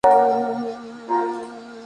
Al timbre, corona del Príncipe de Asturias.